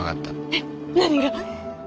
えっ何が？